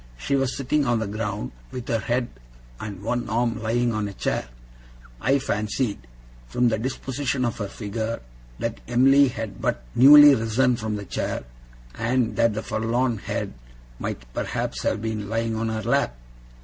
She was sitting on the ground, with her head and one arm lying on a chair. I fancied, from the disposition of her figure, that Em'ly had but newly risen from the chair, and that the forlorn head might perhaps have been lying on her lap.